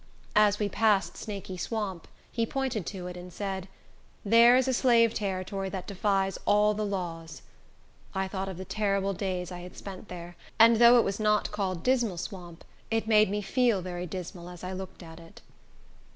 As we passed Snaky Swamp, he pointed to it, and said, "There is a slave territory that defies all the laws." I thought of the terrible days I had spent there, and though it was not called Dismal Swamp, it made me feel very dismal as I looked at it.